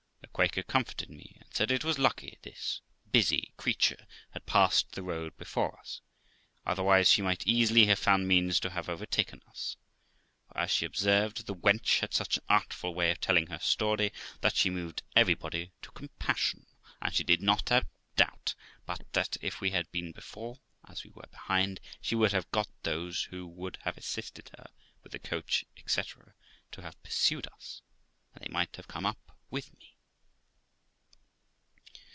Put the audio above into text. The Quaker comforted me, and said it was lucky this busy creature had passed the road before us, otherwise she might easily have found means to have overtaken us, for, as she observed, the wench had such an artful way of telling her story, that she moved everybody to compassion; and she did not doubt but that if we had been before, as we were behind, she would have got those who would have assisted her with a coach, etc., to have pursued us, and they might have come up with us.